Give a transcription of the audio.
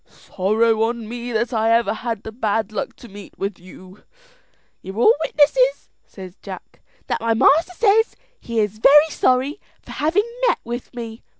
"Sorrow on me that ever I had the bad luck to meet with you." "You're all witness," said Jack, "that my master says he is sorry for having met with me.